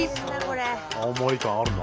青森感あるな。